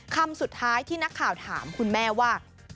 คำสุดท้ายที่นักข่าวถามคุณแม่ว่า